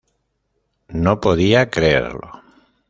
No podía creerlo.